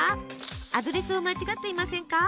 アドレスを間違っていませんか？